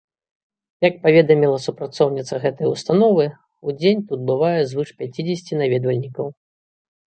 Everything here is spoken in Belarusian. Як паведаміла супрацоўніца гэтай установы, у дзень тут бывае звыш пяцідзесяці наведвальнікаў.